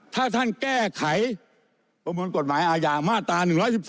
ถ้าท่านแก้ไขประมวลกฎหมายอาญามาตรา๑๑๒